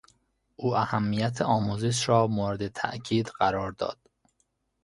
او اهمیت آموزش را مورد تاءکید قرار داد.